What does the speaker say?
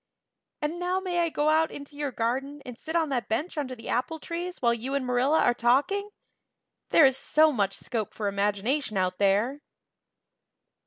And now may I go out into your garden and sit on that bench under the apple trees while you and Marilla are talking? There is so much more scope for imagination out there."